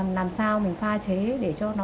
làm sao mình pha chế để cho nó